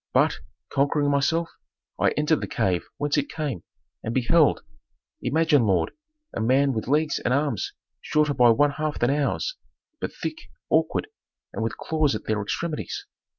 But, conquering myself, I entered the cave whence it came, and beheld Imagine, lord, a man with legs and arms shorter by one half than ours, but thick, awkward, and with claws at their extremities.